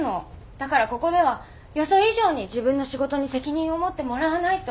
だからここでは予想以上に自分の仕事に責任を持ってもらわないと。